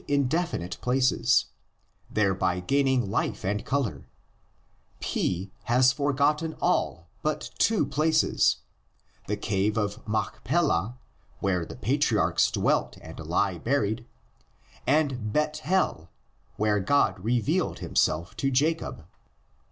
147 in definite places, thereby gaining life and color; P has forgotten all but two places: the cave of Mach pelah, where the patriarchs dwelt and lie buried, and Bethel, where God revealed himself to Jacob.